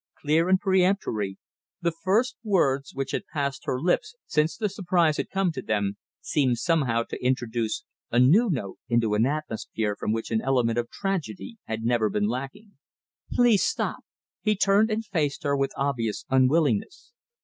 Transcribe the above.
Clear and peremptory, the first words which had passed her lips since the surprise had come to them, seemed somehow to introduce a new note into an atmosphere from which an element of tragedy had never been lacking. "Please stop!" He turned and faced her with obvious unwillingness.